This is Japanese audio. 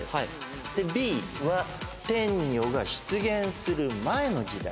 でＢは天女が出現する前の時代。